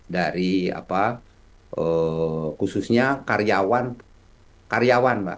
dari apa khususnya karyawan karyawan mbak